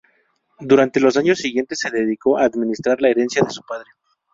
Durante los años siguientes se dedicó a administrar la herencia de su padre.